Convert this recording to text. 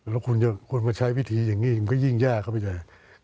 แล้วคุณมาใช้วิธีอย่างงี้มันก็ยิ่งยากมาก